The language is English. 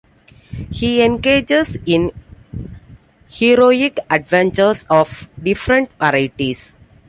He engages in heroic adventures of different varieties.